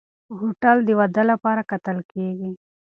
هوټل د واده لپاره کتل کېږي.